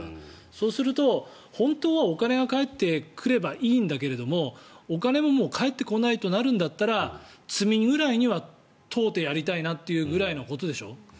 そうすると本当はお金が返ってくればいいんだけどお金も、もう返ってこないとなるんだったら罪ぐらいには問うてやりたいなということでしょ。